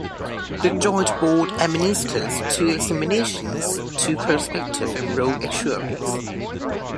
The Joint Board administers two examinations to prospective Enrolled Actuaries.